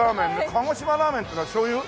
鹿児島ラーメンっていうのはしょうゆ？